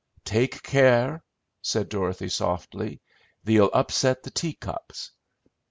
"Take care," said Dorothy softly, "thee'll upset the tea cups."